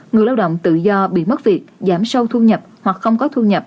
người lao động tự do bị mất việc giảm sâu thu nhập hoặc không có thu nhập